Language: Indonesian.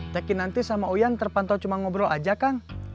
teki nanti sama uyan terpantau cuma ngobrol aja kang